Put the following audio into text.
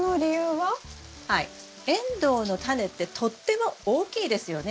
はいエンドウのタネってとっても大きいですよね。